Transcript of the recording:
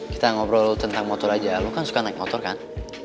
kita ngobrol tentang motor aja lo kan suka naik motor kan